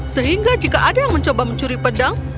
sehingga jika ada yang mencoba mencuri pedang